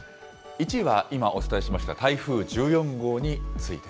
１位は今お伝えしました、台風１４号について。